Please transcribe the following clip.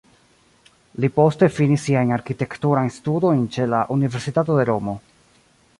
Li poste finis siajn arkitekturajn studojn ĉe la Universitato de Romo.